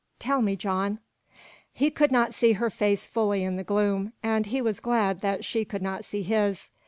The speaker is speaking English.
Tell me, John." He could not see her face fully in the gloom, and he was glad that she could not see his.